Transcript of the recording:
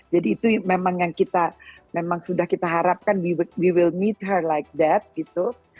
jadi itu memang yang kita memang sudah kita harapkan kita akan bertemu dengan dia seperti itu gitu